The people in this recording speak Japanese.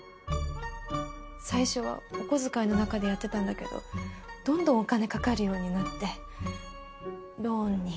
最初はお小遣いの中でやってたんだけどどんどんお金かかるようになってローンに。